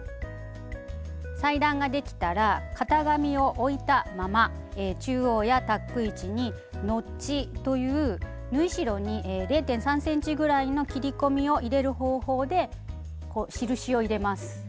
裁断ができたら型紙を置いたまま中央やタック位置に「ノッチ」という縫い代に０．３ｃｍぐらいの切り込みを入れる方法で印を入れます。